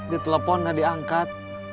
ditelepon gak diangkat